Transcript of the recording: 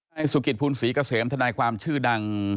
สุกิตภูลศรีเกษมทนายความชื่อดัง